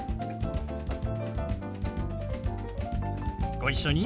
ご一緒に。